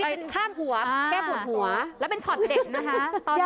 โหยคั่นหัวอ่าแก้ผัวหัวแล้วเป็นฉอดเด็ดนะฮะ